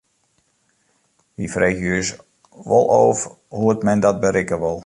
We freegje ús wol ôf hoe't men dat berikke wol.